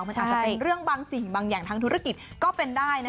มันอาจจะเป็นเรื่องบางสิ่งบางอย่างทางธุรกิจก็เป็นได้